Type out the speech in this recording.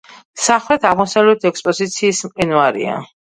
სამხრეთ-აღმოსავლეთ ექსპოზიციის მყინვარია.